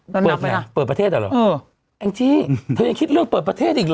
เปิดไหนเปิดประเทศอ่ะหรอแอ้งจี้เธอยังคิดเลิกเปิดประเทศอีกหรอ